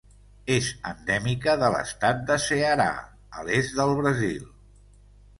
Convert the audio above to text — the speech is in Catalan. És endèmica de l'estat de Ceará, a l'est del Brasil.